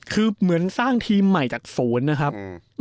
คือเหมือนสร้างทีมใหม่จากศูนย์นะครับ